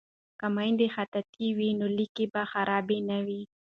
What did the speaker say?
که میندې خطاطې وي نو لیک به خراب نه وي.